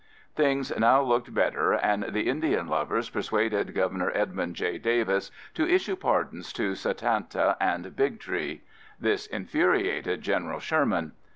Things now looked better and the Indian lovers persuaded Governor Edmund J. Davis to issue pardons to Satanta and Big Tree. This infuriated General Sherman.